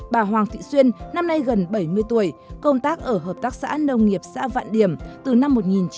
bà hoàng thị xuyên năm nay gần bảy mươi tuổi công tác ở hợp tác xã nông nghiệp xã vạn điểm từ năm một nghìn chín trăm chín mươi